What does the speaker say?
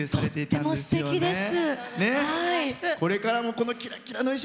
とっても、すてきです！